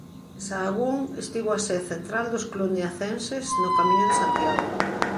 En Sahagún estivo a sé central dos cluniacenses no Camiño de Santiago.